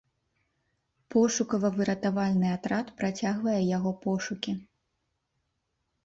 Пошукава-выратавальны атрад працягвае яго пошукі.